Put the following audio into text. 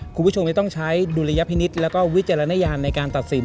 คุณผู้ชมจะต้องใช้ดุลยพินิษฐ์แล้วก็วิจารณญาณในการตัดสิน